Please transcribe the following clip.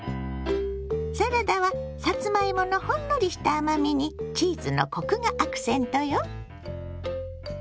サラダはさつまいものほんのりした甘みにチーズのコクがアクセントよ。